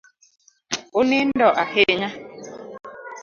Unindo ahinya